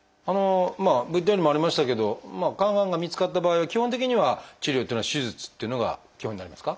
ＶＴＲにもありましたけど肝がんが見つかった場合は基本的には治療っていうのは手術っていうのが基本になりますか？